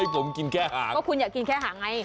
ก็คุณอยากกินแค่หางไง